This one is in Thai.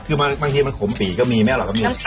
คือบางทีมันขมปีก็มีไม่อร่อยก็มี